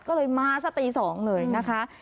ก็เลยมาสักตี๒เลยนะคะ